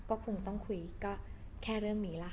ก็คงต้องคุยก็แค่เรื่องนี้ล่ะค่ะ